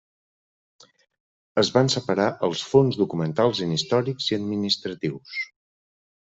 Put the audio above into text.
Es van separar els fons documentals en històrics i administratius.